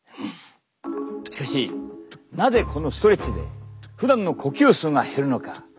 しかしなぜこのストレッチでふだんの呼吸数が減るのか。